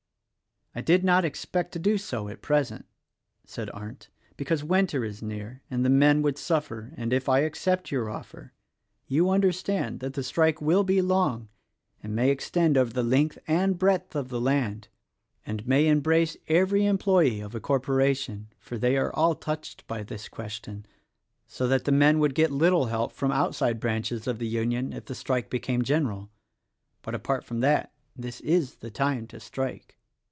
"I did not expect to do so at present," said Arndt, "because winter is near and the men would suffer; and, if I accept your offer, you understand that the strike will be THE RECORDING AXGEL 53 long and may extend over the length and breadth of the land, and may embrace every employe of a corporation (for they are all touched by this question), so that the men would get little help from outside branches of the Union if the strike became general. But, apart from that, this is the time to strike.